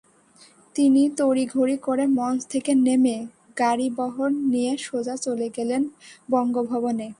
তিনি তড়িঘড়ি করে মঞ্চ থেকে নেমে গাড়িবহর নিয়ে সোজা চলে গেলেন বঙ্গভবনে।